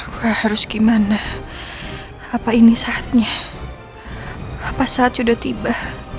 gue gak cinta sama dia